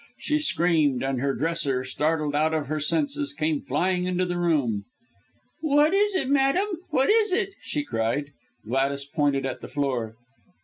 She screamed, and her dresser, startled out of her senses, came flying into the room. "What is it, madam? What is it?" she cried. Gladys pointed at the floor.